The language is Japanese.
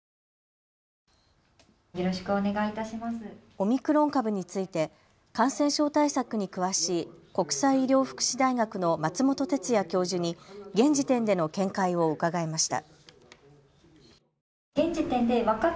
オミクロン株について感染症対策に詳しい国際医療福祉大学の松本哲哉教授に現時点での見解を伺いました。